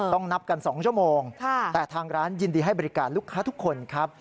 นับกัน๒ชั่วโมงแต่ทางร้านยินดีให้บริการลูกค้าทุกคนครับ